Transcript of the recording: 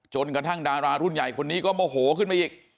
กระทั่งดารารุ่นใหญ่คนนี้ก็โมโหขึ้นมาอีก